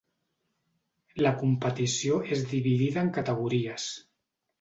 La competició és dividida en categories.